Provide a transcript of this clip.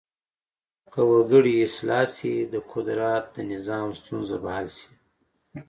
که وګړي اصلاح شي د قدرت د نظام ستونزه به حل شي.